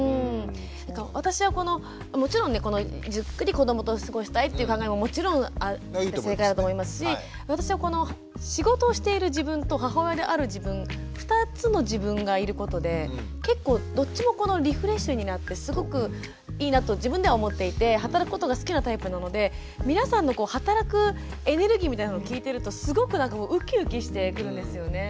私はこのもちろんねじっくり子どもと過ごしたいっていう考えももちろん正解だと思いますし私はこの仕事をしている自分と母親である自分２つの自分がいることで結構どっちもリフレッシュになってすごくいいなと自分では思っていて働くことが好きなタイプなので皆さんの働くエネルギーみたいなの聞いてるとすごくウキウキしてくるんですよね。